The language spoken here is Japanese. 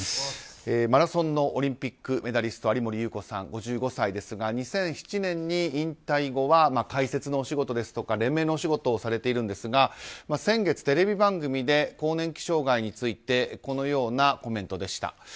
マラソンのオリンピックメダリスト有森裕子さん、５５歳ですが２００７年に引退後は解説のお仕事ですとか連盟のお仕事をされてるんですが先月テレビ番組で更年期障害についてこのようなコメントでした。